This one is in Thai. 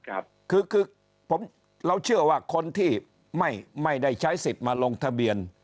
คือคือผมเราเชื่อว่าคนที่ไม่ไม่ได้ใช้สิทธิ์มาลงทะเบียน